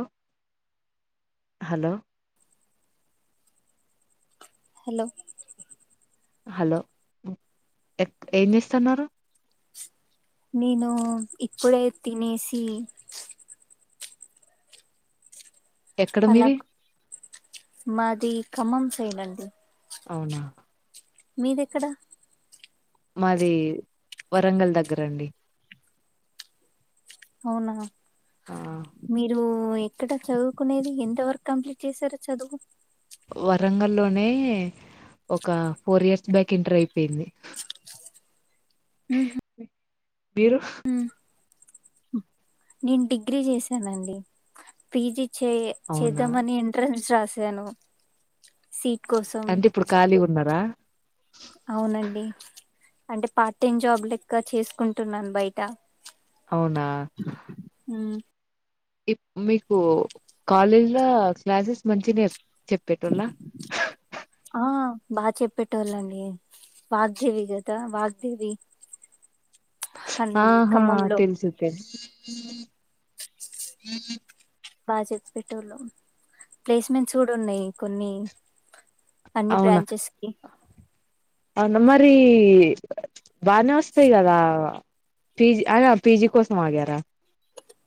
ఓ hello hello hello ఎ ఏం చేస్తన్నారు నేను ఇప్పుడే తినేసి ఎక్కడ అలా మీది మాది ఖమ్మం సైడండి అవునా మీది ఎక్కడ మాది వరంగల్ దగ్గరండి అవునా ఆ మీరు ఓ ఎక్కడ చదువుకునేది ఎంత వర్క్ కంప్లీట్ చేసారో చదువు వరంగల్లోనే ఒక ఫోర్ ఇయర్స్ బ్యాక్ ఇంటర్ అయిపోయింది మీరు నేను డిగ్రీ చేశానండి పీజి చే అవునా చేద్దామని ఎంట్రన్స్ రాసాను సి అంటే ఇప్పుడు ఖాళీ ఉన్నారా అవునండి అంటే పార్ట్ టైమ్ జాబ్ లెక్క చేసుకుంటున్నాను బయట అవునా హ్మ్ ఇప్ మీకు కాలేజ్ లో క్లాసెస్ మంచిగనే ఆ బా చెప్ పెట్టోళ్ళండి వాగ్దేవి కదా వాగ్దేవి అన్ ఆహా ఖమ్మంలో తెల్సు తే ఉ బా చెప్ప పెట్టొలు ప్లేస్మెంట్స్ కూడా ఉన్నాయి కొన్ని అన్ని అవునా బ్రాంచెస్ కి అవునా మరి బానే వస్తాయి కదా పీజీ అయినా పీజీ కోసం ఆగారా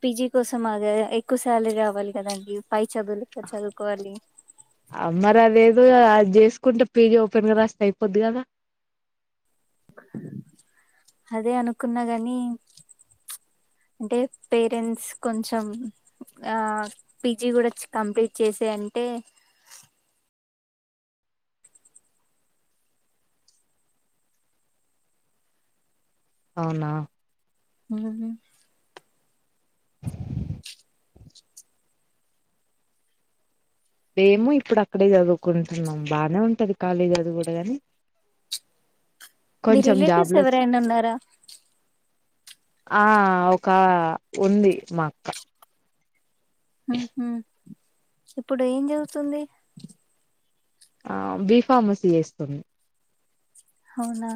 పీజి కోసం ఆగా ఎక్కువ శాలరీ రావాలి కదా పై చదువులు ఇక్కడ చదువుకోవాలి అ మరి అదేదో అది చేసుకుంట పిజీ ఓపెన్గా రాస్తే అయిపోది కదా అదే అనుకున్నా గానీ అంటే పేరెంట్స్ కొంచెం ఆ పీజీ కూడా కంప్లీట్ చేసే టే అ అవునా ఉ మేము ఇప్పుడు అక్కడే చదువుకుంటున్నాం బాగానే ఉంటది కాలేజీ చదువు కూడా గాని మీ కొంచెం జాబ్ రిలేటివ్స్ లో ఎవరైనా ఉన్నారా ఆ ఒక ఉంది మా అక్క ఉహు ఇప్పుడు ఏం చదువుతుంది ఆ బి ఫార్మసీ చేస్తుంది అవునా